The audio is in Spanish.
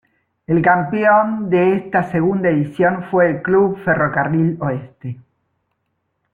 El campeón de esta segunda edición fue el Club Ferro Carril Oeste.